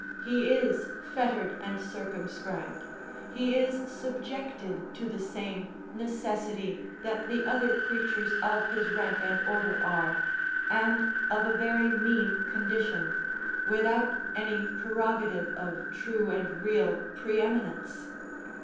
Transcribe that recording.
He is fettered and circumscribed, he is subjected to the same necessity that the other creatures of his rank and order are, and of a very mean condition, without any prerogative of true and real pre eminence.